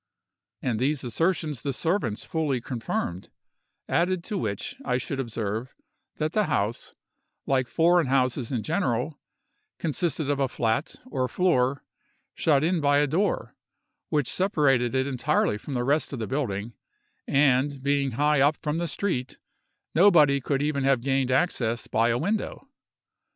And these assertions the servants fully confirmed; added to which, I should observe, that the house, like foreign houses in general, consisted of a flat, or floor, shut in by a door, which separated it entirely from the rest of the building, and, being high up from the street, nobody could even have gained access by a window.